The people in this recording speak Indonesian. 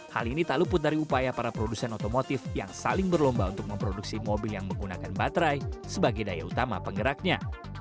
hal ini tak luput dari upaya para produsen otomotif yang saling berlomba untuk memproduksi mobil yang menggunakan baterai sebagai daya utama penggeraknya